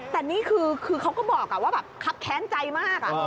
แต่เขาก็บอกว่าครับแค้นใจมาก